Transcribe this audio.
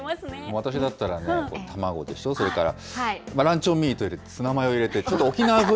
私だったらね、卵でしょ、それからランチョンミート入れてツナマヨ入れて、ちょっと沖縄風